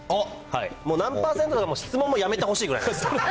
もう何％とか、質問もやめてほしいくらいです。